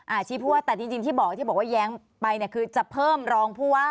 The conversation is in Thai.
ที่ผู้ว่าแต่จริงที่บอกที่บอกว่าแย้งไปเนี่ยคือจะเพิ่มรองผู้ว่า